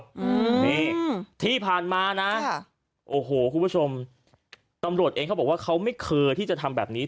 อืมนี่ที่ผ่านมานะค่ะโอ้โหคุณผู้ชมตำรวจเองเขาบอกว่าเขาไม่เคยที่จะทำแบบนี้